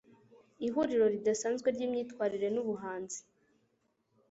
Ihuriro ridasanzwe ryimyitwarire nubuhanzi